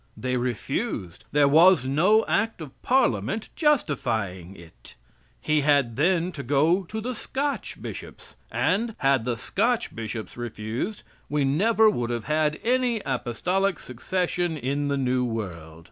They refused; there was no act of Parliament justifying it. He had then to go to the Scotch Bishops; and, had the Scotch Bishops refused, we never would have had any apostolic succession in the new world.